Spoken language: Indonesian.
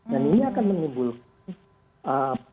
dan ini akan menimbulkan